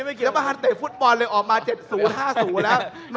พี่กายเดี๋ยวคุณกายเป็นใครนะ